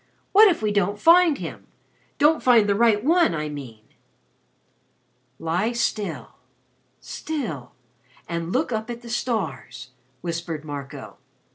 What if we don't find him don't find the right one, I mean!" "Lie still still and look up at the stars," whispered Marco.